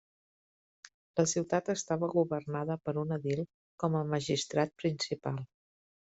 La ciutat estava governada per un edil com a magistrat principal.